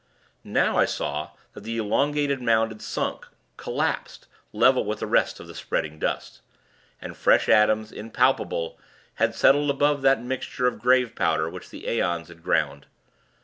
Now, I saw that the elongated mound had sunk, collapsed, level with the rest of the spreading dust. And fresh atoms, impalpable, had settled above that mixture of grave powder, which the aeons had ground.